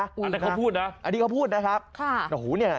อันนี้เขาพูดนะอันนี้เขาพูดนะครับ